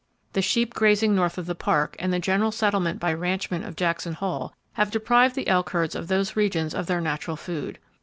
The sheep grazing north of the Park, and the general settlement by ranchmen of Jackson Hole, have deprived the elk herds of those regions of their natural food.